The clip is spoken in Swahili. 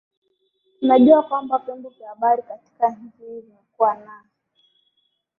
tunajua kwamba vyombo vya habari katika nchi hii vimekuwa naa